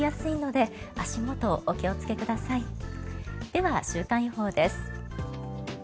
では、週間予報です。